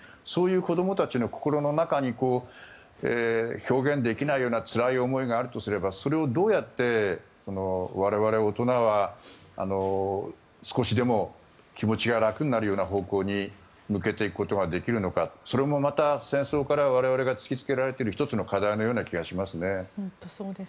そういう子供たちの子供の心の中に表現できないようなつらい思いがあるとすればそれをどうやって我々大人は少しでも気持ちが楽になるような方向に向けていくことができるのかそれもまた戦争から我々が突きつけられている１つの課題のような気がしますね。